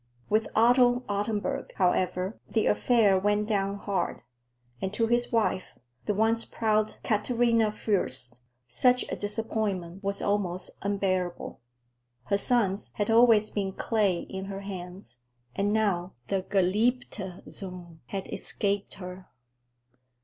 With Otto Ottenburg, however, the affair went down hard, and to his wife, the once proud Katarina Fürst, such a disappointment was almost unbearable. Her sons had always been clay in her hands, and now the geliebter Sohn had escaped her.